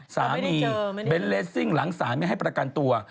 เบนท์เลสซิ่งหลังศาลไม่ให้ประกันตัว